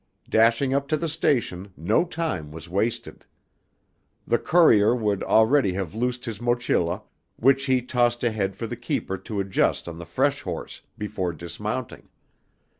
Dashing up to the station, no time was wasted. The courier would already have loosed his mochila, which he tossed ahead for the keeper to adjust on the fresh horse, before dismounting.